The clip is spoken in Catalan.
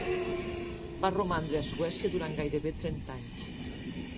Va romandre a Suècia durant gairebé trenta anys.